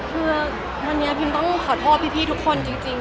คือวันนี้พิมต้องขอโทษพี่ทุกคนจริง